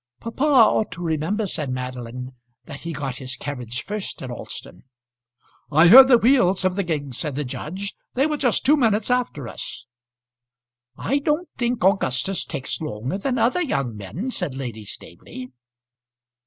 "Papa ought to remember," said Madeline, "that he got his carriage first at Alston." "I heard the wheels of the gig," said the judge. "They were just two minutes after us." "I don't think Augustus takes longer than other young men," said Lady Staveley.